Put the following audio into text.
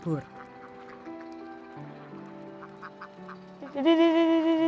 terjebak lokasi gede